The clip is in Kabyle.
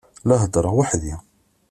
La heddṛeɣ weḥd-i.